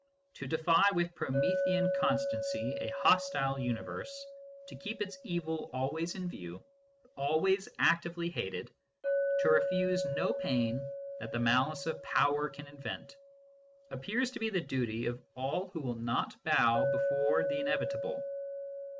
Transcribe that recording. To defy with Promethean constancy a hostile universe, to keep its evil always in view, always actively hated, to refuse no pain that the malice of Power can invent, appears to be the duty of all who will not bow before the inevitable.